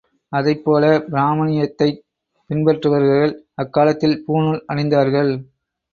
அதைப்போல பிராமணியத்தைப் பின்பற்றுகிறவர்கள் அக்காலத்தில் பூணூல் அணிந்தார்கள்.